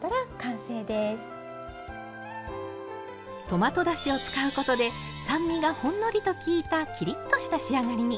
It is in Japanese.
トマトだしを使うことで酸味がほんのりと効いたきりっとした仕上がりに。